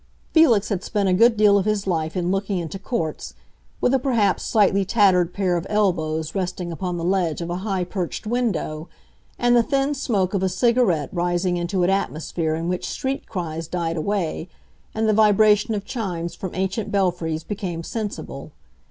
Felix had spent a good deal of his life in looking into courts, with a perhaps slightly tattered pair of elbows resting upon the ledge of a high perched window, and the thin smoke of a cigarette rising into an atmosphere in which street cries died away and the vibration of chimes from ancient belfries became sensible.